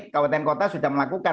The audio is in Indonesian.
kawatan kota sudah melakukan